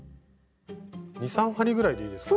２３針ぐらいでいいですか？